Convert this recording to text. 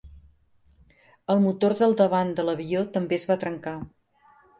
El motor del davant de l'avió també es va trencar.